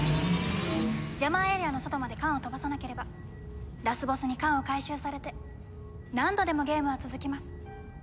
ジャマーエリアの外まで缶を飛ばさなければラスボスに缶を回収されて何度でもゲームは続きます。